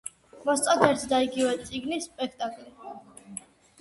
მოსწონთ ერთი და იგივე წიგნი, სპექტაკლი.